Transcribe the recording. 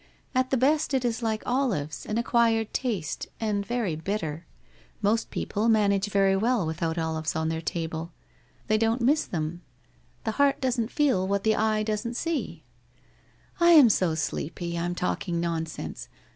'At the best it is like olives, an acquired taste, and very bitter. Most people manage very wt II without olives at their table. They doil't miss them. 84 WHITE ROSE OF WEARY LEAF The heart doesn't feel what the eye doesn't see! ... I am so sleepy — I am talking nonsense.